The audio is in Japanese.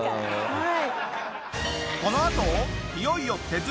はい。